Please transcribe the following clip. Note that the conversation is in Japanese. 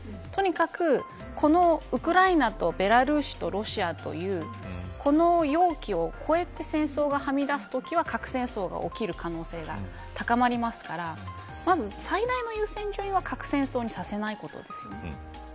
とにかく、このウクライナとベラルーシとロシアというこの容器を超えて戦争がはみ出すときは核戦争が起きる可能性が高まりますからまず最大の優先順位は核戦争にさせないことです。